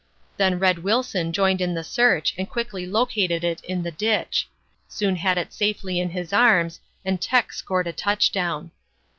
Then Red Wilson joined in the search and quickly located it in the ditch; soon had it safely in his arms and Tech scored a touchdown.